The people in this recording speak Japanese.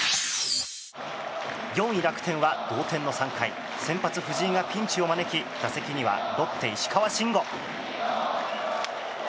４位、楽天は同点の３回先発、藤井がピンチを招き打席にはロッテ、石川慎吾。